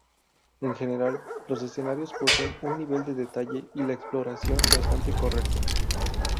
En general los escenarios poseen un nivel de detalle y de exploración bastante correcto.